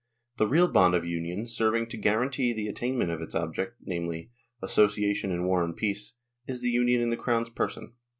The real bond of union, serving to guarantee the attainment of its object, namely, association in War and Peace, is the union in the Crown's person.